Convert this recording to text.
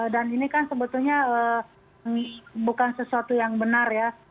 dan ini kan sebetulnya bukan sesuatu yang benar ya